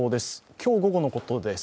今日午後のことです。